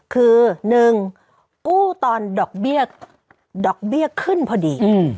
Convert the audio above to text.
คือ๑กู้ตอนดอกเบี้ยขึ้นพอดี